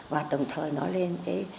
và đồng thời nói lên